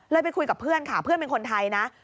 ไปคุยกับเพื่อนค่ะเพื่อนเป็นคนไทยนะ